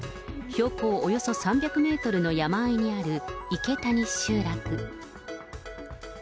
標高およそ３００メートルの山あいにある池谷集落。